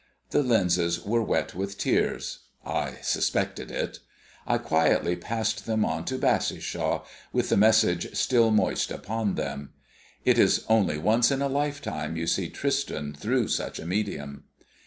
The lenses were wet with tears I suspected it. I quietly passed them on to Bassishaw, with the message still moist upon them. It is only once in a lifetime you see Tristan through such a medium.